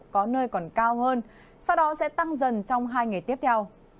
có nơi còn cao hơn sau đó sẽ tăng dần trong hai ngày tiếp theo